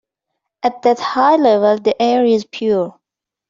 At that high level the air is pure.